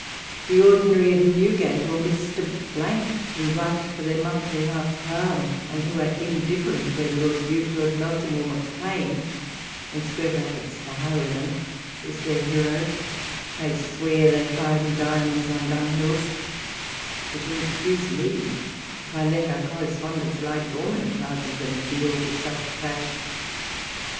The ordinary of Newgate, or Mr. ^ who write for their monthly half crown, and who are indiffer ent whether Lord Bute, Lord Melcombe, or Maclean [the highwayman], is their hero, may swear they find diamonds on dunghills ; but you will excuse me, if I let our correspondence lie Kill WALPOLK'.'i LETTf.RS. dormant ratlier than deal with such trash.